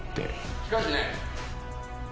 しかしね！